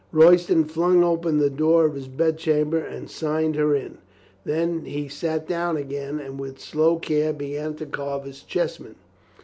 Royston flung open the door of his bed chamber and signed her in. Then he sat down again and with slow care began to carve his chessmen.